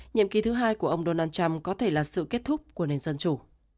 nhiệm kỳ thứ hai của ông donald trump có thể là sự kết thúc của nền dân chủ